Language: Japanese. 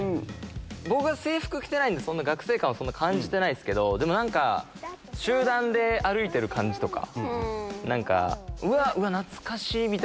僕は制服着てないんで学生感をそんな感じてないですけどでも何か集団で歩いてる感じとか何かうわっ懐かしいみたいなのは。